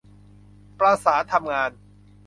ประสานทำงาน